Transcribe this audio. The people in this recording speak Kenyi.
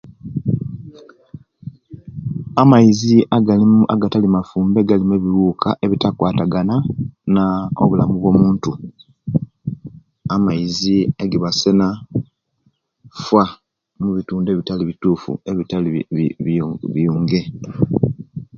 Amaizi agalimu agatali mafumbe galimu obuwuukka ebitakwatagana no'bulamu bwo'muntu amaizi agabasena far omubintudu ebitali bitufu ebitali bi bi biyonje.